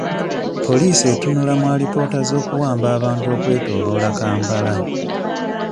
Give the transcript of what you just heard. Poliisi etunula mu alipoota z'okuwamba bantu okwetooloola Kampala